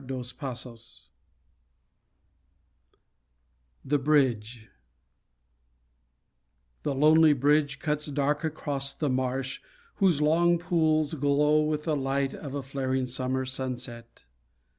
DOS PASSOS THE BRIDGE The lonely bridge cuts dark across the marsh Whose long pools glow with the light Of a flaring summer sunset.